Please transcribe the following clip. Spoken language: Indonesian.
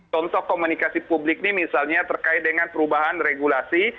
contoh komunikasi publik ini misalnya terkait dengan perubahan regulasi